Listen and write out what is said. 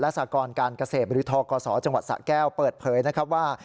และสากรการเกษตรหรือทกศสะแก้วเปิดเผยนะครับว่า